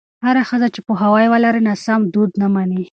هره ښځه چې پوهاوی ولري، ناسم دود نه مني.